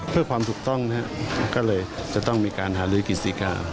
เพื่อความถูกต้องก็เลยจะต้องมีการหลัยศิกา